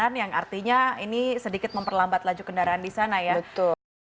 ternyata ada laporan juga sebelumnya dari koresponden kita masih banyak sekali yang tersebar di jalan ini